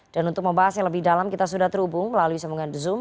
dan untuk membahas yang lebih dalam kita sudah terhubung melalui semuanya di zoom